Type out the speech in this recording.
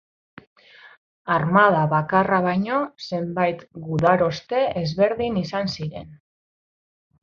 Armada bakarra baino zenbait gudaroste ezberdin izan ziren.